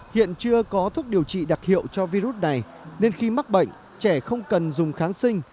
hiện chưa có thuốc điều trị đặc hiệu cho virus này nên khi mắc bệnh trẻ không cần dùng kháng sinh